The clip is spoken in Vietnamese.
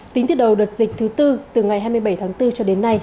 tính tiết đầu đợt dịch thứ bốn từ ngày hai mươi bảy tháng bốn cho đến nay